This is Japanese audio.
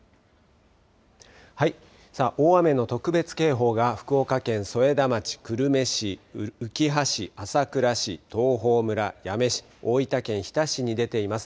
大雨の特別警報が福岡県添田町、久留米市、うきは市、朝倉市、東峰村、八女市、大分県日田市に出ています。